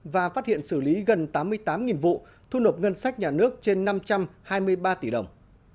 và phát hiện xử lý gần tám mươi tám vụ thu nộp ngân sách nhà nước trên năm trăm hai mươi ba tỷ đồng